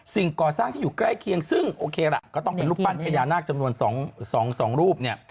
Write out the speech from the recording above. ก่อสร้างที่อยู่ใกล้เคียงซึ่งโอเคล่ะก็ต้องเป็นรูปปั้นพญานาคจำนวน๒รูปเนี่ย